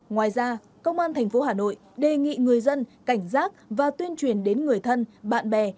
ngoài ra công an tp hà nội đề nghị người dân cảnh giác và tuyên truyền đến người thân bạn bè